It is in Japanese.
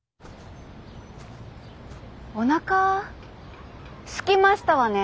おなかすきましたわね。